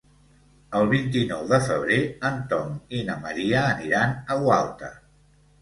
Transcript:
El vint-i-nou de febrer en Tom i na Maria aniran a Gualta.